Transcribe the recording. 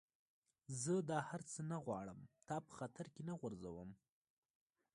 زه دا هر څه نه غواړم، تا په خطر کي نه غورځوم.